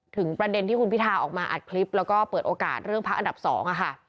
ประเด็นที่คุณพิทาออกมาอัดคลิปแล้วก็เปิดโอกาสเรื่องพักอันดับ๒ค่ะ